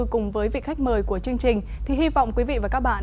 cùng với vị khách mời của chương trình thì hy vọng quý vị và các bạn